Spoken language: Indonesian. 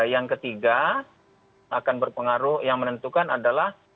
yang ketiga akan berpengaruh yang menentukan adalah